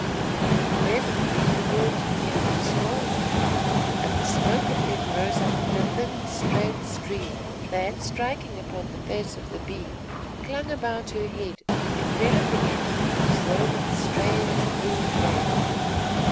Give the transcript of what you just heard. Presently the herbs began to smoulder, and the smoke of them rose up in a thin, straight stream, that, striking upon the face of the Bee, clung about her head enveloping it as though with a strange blue veil.